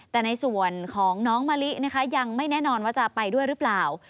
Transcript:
แต่ในส่วนของน้องมะลินะคะยังไม่แน่นอนว่าจะไปด้วยหรือเปล่า